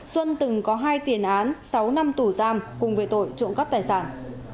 xuân từng có hai tiền án sáu năm tù giam cùng về tội trộm cắp tài sản